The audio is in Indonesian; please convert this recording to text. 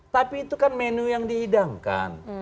tapi itu kan menu yang dihidangkan